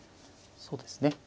そうですね。